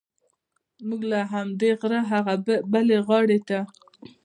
موږ د همدې غره هغې بلې غاړې ته.